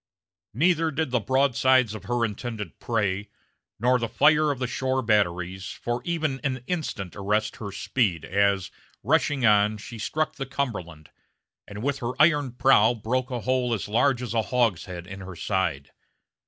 Neither did the broadsides of her intended prey, nor the fire of the shore batteries, for even an instant arrest her speed as, rushing on, she struck the Cumberland, and with her iron prow broke a hole as large as a hogshead in her side.